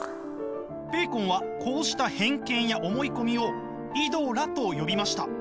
ベーコンはこうした偏見や思い込みをイドラと呼びました。